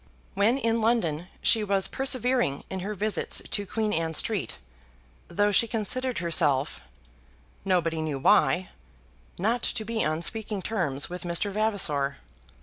When in London she was persevering in her visits to Queen Anne Street, though she considered herself, nobody knew why, not to be on speaking terms with Mr. Vavasor.